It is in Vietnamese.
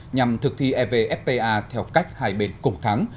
nhằm thực thi evfta theo cách hai bên cùng thắng